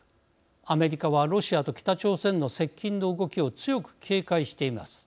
アメリカはロシアと北朝鮮の接近の動きを強く警戒しています。